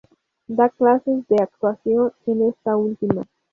Da clases de actuación en esta última.